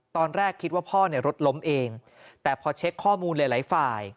ตอนแรกคิดว่าพ่อเนี่ยรถล้มเองแต่พอเช็คข้อมูลหลายหลายฝ่าย